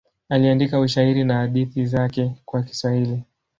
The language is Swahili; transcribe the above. Aliandika ushairi na hadithi zake kwa Kiswahili.